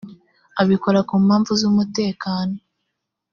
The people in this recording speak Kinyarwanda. abikora ku mpamvu z ‘umutekano .